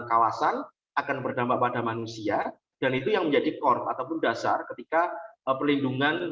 kawasan akan berdampak pada manusia dan itu yang menjadi corp ataupun dasar ketika pelindungan